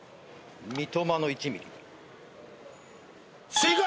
正解！